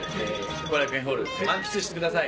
後楽園ホール満喫してください。